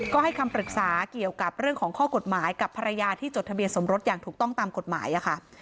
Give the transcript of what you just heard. ก็ให้คำปรึกษาเกี่ยวกับเรื่องของข้อกฎหมายกับภรรยาที่จดทะเบียนสมรสอย่างถูกต้องตามกฎหมายค่ะ